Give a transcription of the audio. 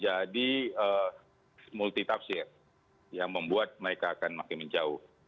jadi kita harus memiliki multi tabsir yang membuat mereka akan makin menjauh